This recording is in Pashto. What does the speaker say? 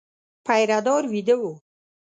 پيره دار وېده و.